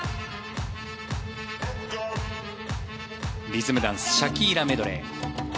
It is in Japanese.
リズムダンス「シャキーラメドレー」。